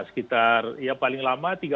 sekitar ya paling lama tiga puluh